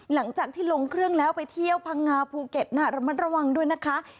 หลังจากที่ลงเครื่องแล้วไปเที่ยวพังงาภูเก็ตระมัดระวังด้วยนะคะ